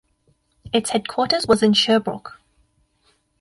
Its headquarters was in Sherbrooke.